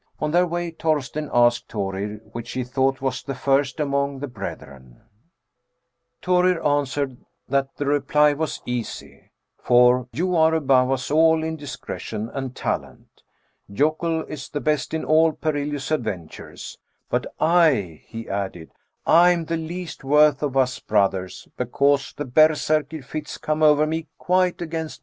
On their way Thorsteinn asked Thorir which he thought was the first among the brethren; Thorir answered that the reply was easy, for ' you are above us all in discretion and talent ; Jokull is the best in all perilous adventures, but I,* he added, ' I am the least worth of us brothers, because the berserkr fits come over me, quite against 42 THE BOOK OF WERE WOLVES.